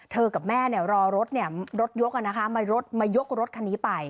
เธอกับแม่เนี่ยรอรถเนี่ยรถยกอ่ะนะคะมายกรถคันนี้ไป